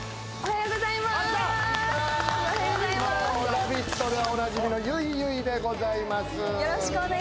「ラヴィット！」でおなじみのゆいゆいでございます！